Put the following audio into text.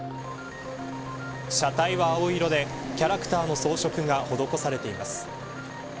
車体は青色で、キャラクターの装飾が施されています。